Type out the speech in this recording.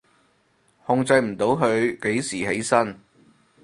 控制唔到佢幾時起身？